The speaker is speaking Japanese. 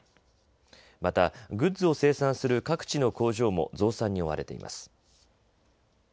また、グッズを生産する各地の工場も増産に追われています。